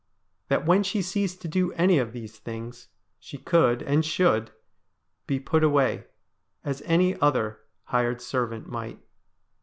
That when she ceased to do any of these things, she could, and should, be put away, as any other hired servant might.